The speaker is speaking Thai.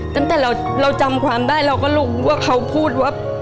ตั้งแต่เราจำความได้เราก็รู้ว่าเขาพูดว่า